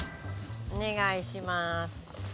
お願いします。